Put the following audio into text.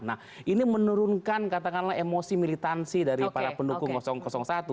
nah ini menurunkan katakanlah emosi militansi dari para pendukung satu